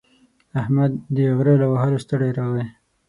احمد د غره له وهلو ستړی راغی.